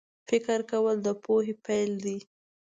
فکر کول د پوهې پیل دی